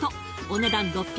お値段